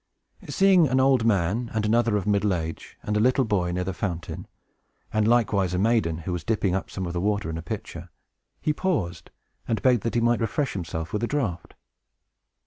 Seeing an old man, and another of middle age, and a little boy, near the fountain, and likewise a maiden, who was dipping up some of the water in a pitcher, he paused, and begged that he might refresh himself with a draught.